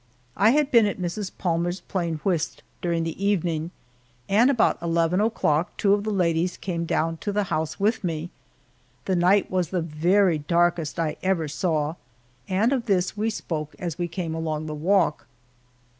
I had been at Mrs. Palmer's playing whist during the evening, and about eleven o'clock two of the ladies came down to the house with me. The night was the very darkest I ever saw, and of this we spoke as we came along the walk.